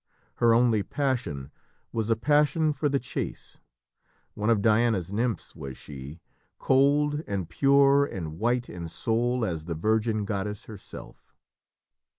Her only passion was a passion for the chase. One of Diana's nymphs was she, cold and pure and white in soul as the virgin goddess herself.